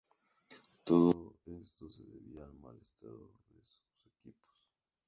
Todo esto se debía al mal estado de sus equipos.